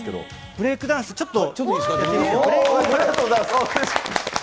ブレイクダンス、ちょっと。